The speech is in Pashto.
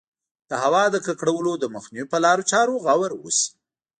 د هوا د ککړولو د مخنیوي په لارو چارو غور وشي.